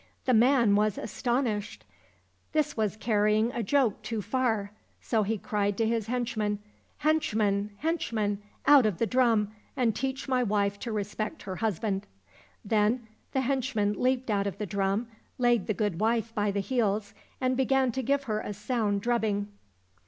The man was astonished. This was carrying a joke too far, so he cried to his henchmen, " Henchmen, henchmen ! out of the drum, and teach my wife to respect her husband !" Then the henchmen leaped out of the drum, laid the good wife by the heqls, and began to give her a sound drubbing.